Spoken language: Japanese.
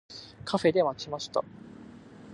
カフェで待ちました。